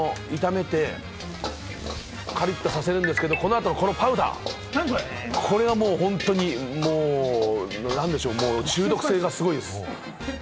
炒めてカリッとさせるんですけれど、この後、このパウダー、本当に中毒性がすごいです。